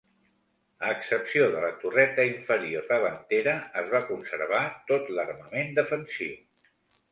A excepció de la torreta inferior davantera, es va conservar tot l'armament defensiu.